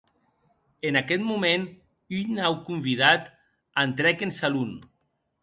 En aqueth moment un nau convidat entrèc en salon.